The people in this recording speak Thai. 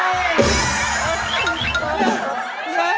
เป็นเรื่องราวของแม่นาคกับพี่ม่าครับ